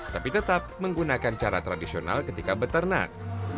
tapi tetap menggunakan cara tradisional ketika beternak